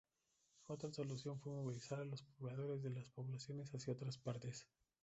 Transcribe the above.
Otra solución fue movilizar a los pobladores de las poblaciones hacia otras partes.